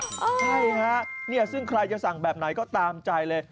ใช่ฮะเนี่ยซึ่งใครจะสั่งแบบไหนก็ตามใจเลย